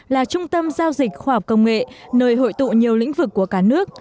là trung tâm giao dịch khoa học công nghệ nơi hội tụ nhiều lĩnh vực của cả nước